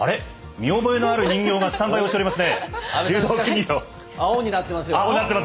見覚えのある人形がスタンバイをしておりますね。